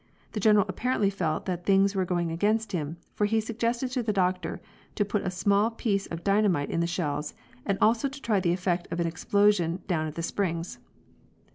The General apparently felt that things were going against him, for he suggested to the Doctor to put a small piece of dynamite in the shells, and also to try the effect of an explosion down at the Springs.